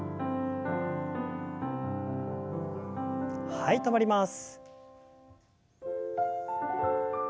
はい止まります。